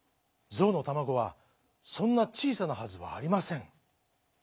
ぞうのたまごはそんなちいさなはずはありません。